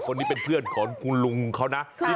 คนนี้เป็นเพื่อนของคุณลุงเขานะ